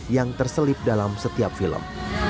yang terselip dalam setiap film